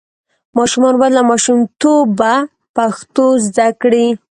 ماشومان باید له ماشومتوبه پښتو زده کړي.